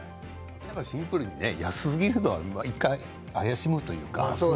やっぱりシンプルに安すぎるのは怪しむというか。